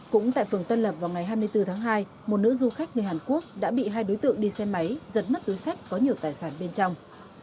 cũng tại phường tân lập vào ngày hai mươi bốn tháng hai một nữ du khách người hàn quốc đã bị hai đối tượng đi xe máy giật mất túi sách có nhiều tài sản bên trong